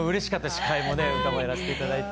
司会もね歌もやらせて頂いて。